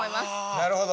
なるほど。